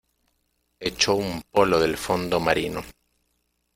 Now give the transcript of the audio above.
echo un polo del fondo marino.